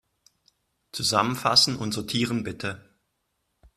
Zusammenfassen und sortieren, bitte.